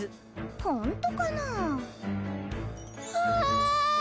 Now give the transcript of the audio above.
ホントかなあわあ！